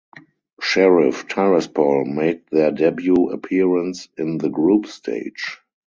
Sheriff Tiraspol made their debut appearance in the group stage.